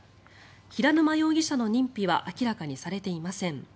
平沼容疑者の認否は明らかにされていません。